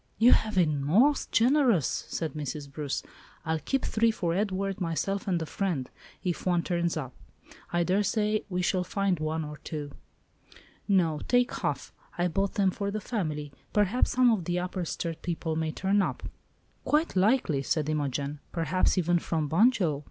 "You have been most generous," said Mrs. Bruce. "I'll keep three for Edward, myself, and a friend, if one turns up. I daresay we shall find one or two." "No, take half; I bought them for the family. Perhaps some of the Upper Sturt people may turn up." "Quite likely," said Imogen; "perhaps even from Bunjil!